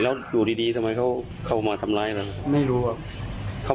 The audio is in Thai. แล้วอยู่ดีทำไมเขามาทำร้ายเราครับ